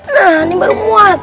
nah ini baru muat